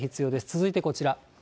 続いてこちら。